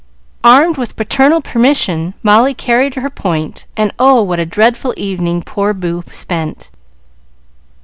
Armed with the paternal permission, Molly carried her point, and oh, what a dreadful evening poor Boo spent!